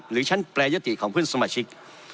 หรือชั้นแปรยติของเพื่อนสมาชิก